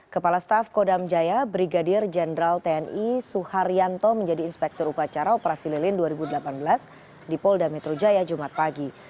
kepala staf kodam jaya brigadir jenderal tni suharyanto menjadi inspektur upacara operasi lilin dua ribu delapan belas di polda metro jaya jumat pagi